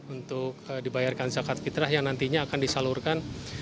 untuk dibayarkan zakat fitrah yang nantinya akan disalurkan